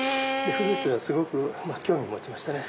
フルーツにはすごく興味を持ちましたね。